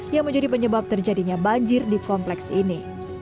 yang menjadi penyebab terjadinya banjir di kompleks ini